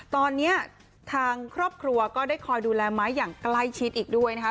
ตอนนี้ทางครอบครัวก็ได้คอยดูแลไม้อย่างใกล้ชิดอีกด้วยนะคะ